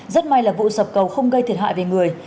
rất may là vụ sập cầu không gây thiệt hại về người